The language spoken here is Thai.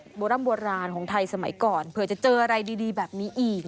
ในบัตรลัมป์บัวราณสมัยก่อนเผื่อจะเจออะไรดีแบบนี้อีก